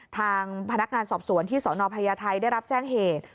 ทางพนักงานสอบสวนที่สนพญาไทยได้รับแจ้งเหตุ